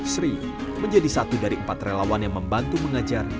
sri menjadi satu dari empat relawan yang membantu mengajar